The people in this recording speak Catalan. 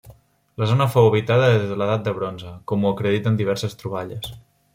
La zona fou habitada des de l'edat del bronze, com ho acrediten diverses troballes.